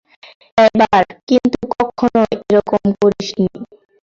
এবার, কিন্তু কক্ষনো এরকম আর করিাসনি!